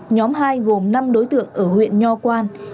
nhóm hai gồm năm đối tượng ở huyện nho quan